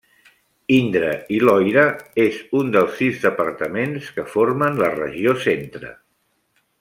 Indre i Loira és un dels sis departaments que formen la regió Centre.